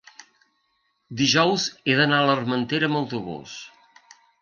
dijous he d'anar a l'Armentera amb autobús.